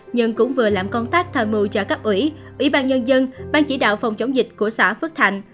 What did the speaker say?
nhưng cũng vừa làm công tác thờ mưu cho các ủy ủy ban nhân dân ban chỉ đạo phòng chống dịch của xã phước thạnh